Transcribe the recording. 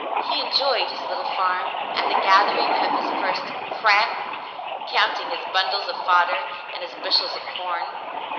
He enjoyed his little farm, and the gathering of his first "crap," counting his bundles of fodder and his bushels of corn.